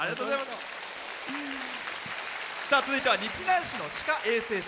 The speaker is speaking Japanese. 続いては日南市の歯科衛生士。